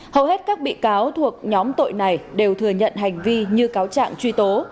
hầu hết các bị cáo thuộc nhóm tội này đều thừa nhận hành vi như cáo trạng truy tố